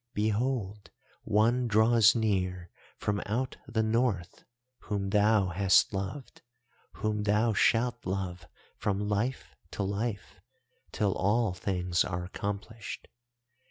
Behold one draws near from out the North whom thou hast loved, whom thou shalt love from life to life, till all things are accomplished.